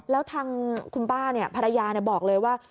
แล้วทางคุณป้าภรรยาบอกเลยว่า